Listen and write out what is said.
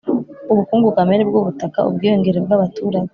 ubukungu kamere bw'ubutaka, ubwiyongere bw'abaturage,